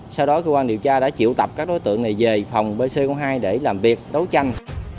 sau đó cơ quan điều tra đã triệu tập các đối tượng này về phòng bc hai để làm việc đấu tranh